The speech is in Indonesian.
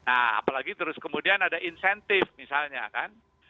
apalagi terus kemudian ada insentif misalnya